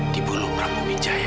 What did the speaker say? dibunuh prabu wijaya